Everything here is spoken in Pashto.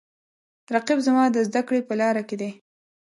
رقیب زما د زده کړې په لاره کې دی